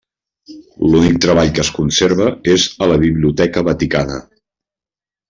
L'únic treball que es conserva és a la biblioteca Vaticana.